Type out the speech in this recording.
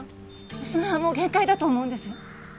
娘はもう限界だと思うんです